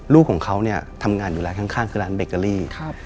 ลูกของเขาเนี่ยทำงานอยู่ร้านข้างคือร้านเบเกอรี่